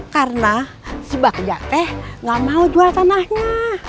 karena si bakja teh gak mau jual tanahnya